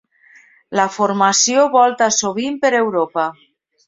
La formació volta sovint per Europa: